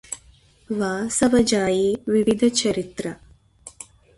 వాసవజాయే వివిధ చరిత్రా